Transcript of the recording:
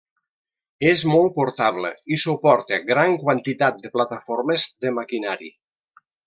És molt portable i suporta gran quantitat de plataformes de maquinari.